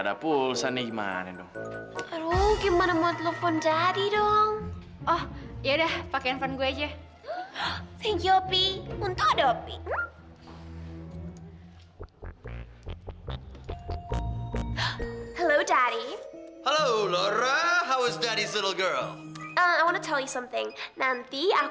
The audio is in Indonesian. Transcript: sampai jumpa di video selanjutnya